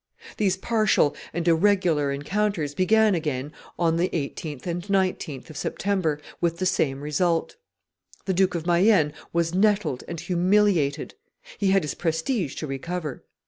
These partial and irregular encounters began again on the 18th and 19th of September, with the same result. The Duke of Mayenne was nettled and humiliated; he had his prestige to recover.